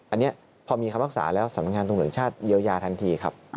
อันนี้พอมีคำรักษาแล้วสำนักงานตำรวจแห่งชาติเยียวยาทันทีครับ